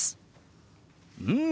うん。